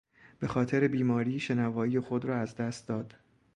به خاطر بیماری شنوایی خود را از دست داد.